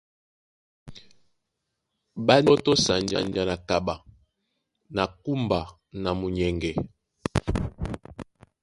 Ɓá níɓɔ́tɔ́ sanja na kaɓa na kúmba na munyɛŋgɛ.